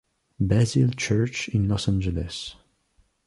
Basil Church in Los Angeles.